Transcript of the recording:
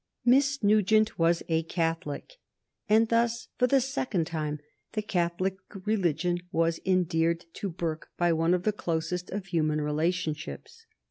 Miss Nugent was a Catholic, and thus, for the second time, the Catholic religion was endeared to Burke by one of the closest of human relationships.